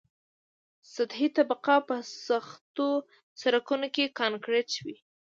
سطحي طبقه په سختو سرکونو کې کانکریټي وي